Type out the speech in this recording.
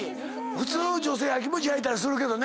普通女性焼きもち焼いたりするけどね。